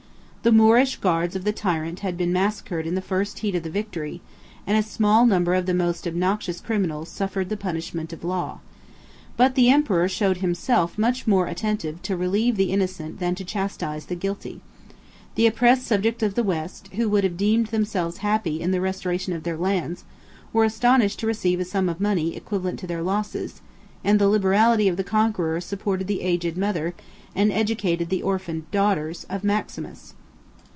The Moorish guards of the tyrant had been massacred in the first heat of the victory, and a small number of the most obnoxious criminals suffered the punishment of the law. But the emperor showed himself much more attentive to relieve the innocent than to chastise the guilty. The oppressed subjects of the West, who would have deemed themselves happy in the restoration of their lands, were astonished to receive a sum of money equivalent to their losses; and the liberality of the conqueror supported the aged mother, and educated the orphan daughters, of Maximus.